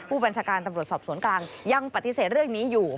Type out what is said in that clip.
ผู้บัญชาการตำรวจสอบสวนกลางยังปฏิเสธเรื่องนี้อยู่